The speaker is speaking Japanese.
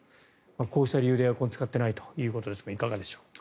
こうした理由でエアコンを使っていないということですがいかがですか。